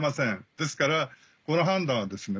ですからこの判断はですね